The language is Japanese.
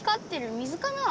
水かな？